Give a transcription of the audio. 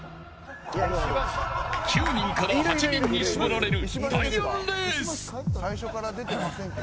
９人から８人に絞られる第４レース。